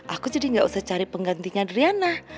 aku jadi nggak usah cari penggantinya adriana